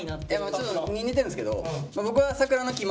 ちょっと似てるんですけど。